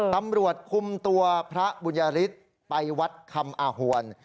ตำรวจคุมตัวพระบุญยฤทธิ์ไปวัดคำอาหวน